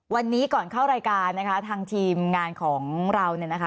วันนี้ก่อนเข้ารายการนะคะทางทีมงานของเราเนี่ยนะคะ